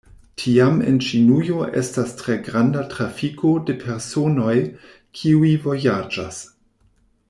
Tiam en Ĉinujo estas tre granda trafiko de personoj, kiuj vojaĝas.